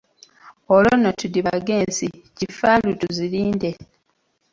"Olwo nno tudibage ensi, Kifaalu tuzirinde."